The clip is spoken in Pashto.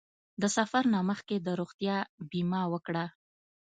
د سفر نه مخکې د روغتیا بیمه وکړه.